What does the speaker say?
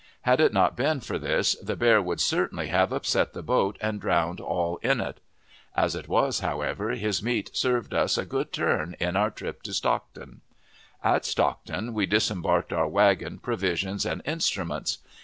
Had it not been for this, the bear would certainly have upset the boat and drowned all in it. As it was, however, his meat served us a good turn in our trip up to Stockton. At Stockton we disembarked our wagon, provisions, and instruments.